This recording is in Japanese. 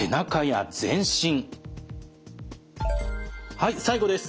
はい最後です。